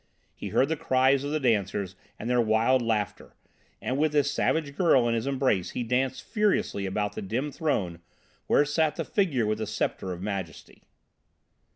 He heard the cries of the dancers and their wild laughter, and with this savage girl in his embrace he danced furiously about the dim Throne where sat the Figure with the sceptre of majesty....